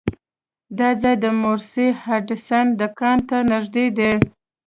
دا ځای د مورس هډسن دکان ته نږدې دی.